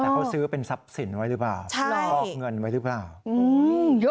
แต่เขาซื้อเป็นทรัพย์สินไว้หรือเปล่าฟอกเงินไว้หรือเปล่า